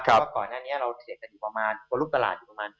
เพราะก่อนหน้านี้เราแถดกลุ่มตลาดอยู่ประมาณ